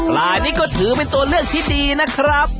ลายนี้ก็ถือเป็นตัวเลือกที่ดีนะครับ